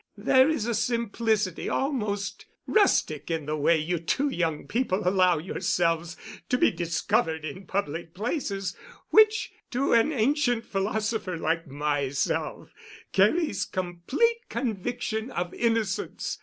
There is a simplicity almost rustic in the way you two young people allow yourselves to be discovered in public places—which, to an ancient philosopher like myself, carries complete conviction of innocence.